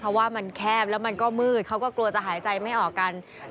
เพราะว่ามันแคบแล้วมันก็มืดเขาก็กลัวจะหายใจไม่ออกกัน